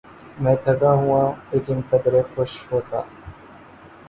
میں تھکا ہوا لیکن قدرے خوش ہوتا۔